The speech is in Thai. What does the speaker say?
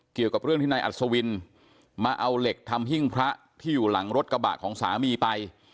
เกี่ยวกับเรื่องที่นายอัศวินมาเอาเหล็กทำหิ้งพระที่อยู่หลังรถกระบะของสามีไป